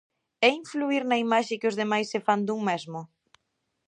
E influír na imaxe que os demais se fan dun mesmo?